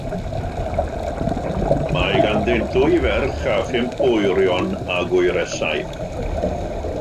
Mae ganddynt ddwy ferch a phump o wyrion ac wyresau.